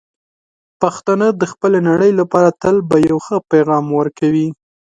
پښتانه د خپلې نړۍ لپاره تل به یو ښه پېغام ورکوي.